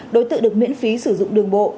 đối tượng được miễn phí sử dụng đường bộ